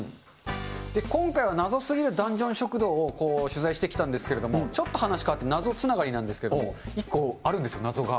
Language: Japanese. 今回は謎すぎるダンジョン食堂を取材してきたんですけれども、ちょっと話変わって、謎つながりなんですけども、１個あるんですよ、謎が。